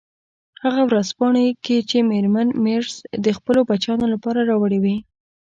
هغه ورځپاڼو کې چې میرمن مېرز د خپلو بچیانو لپاره راوړي وې.